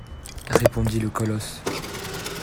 Répondit le colosse.